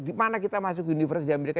dimana kita masuk univers di amerika